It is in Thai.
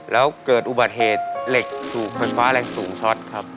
แล้วเกิดอุบัติเหตุเหล็กถูกไฟฟ้าแรงสูงช็อตครับ